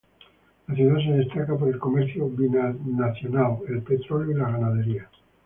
La ciudad se destaca por el comercio binacional, el petróleo y ganadería.